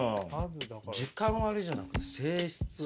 時間割じゃなくて性質割。